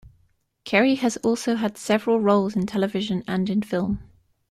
Kerry has also had several roles in television and in film.